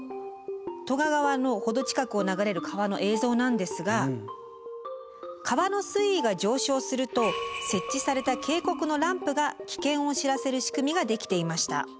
都賀川の程近くを流れる川の映像なんですが川の水位が上昇すると設置された警告のランプが危険を知らせる仕組みができていました。